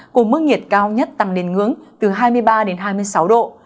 cùng mức nhiệt cao nhất tăng lên ngưỡng từ hai mươi ba đến hai mươi sáu độ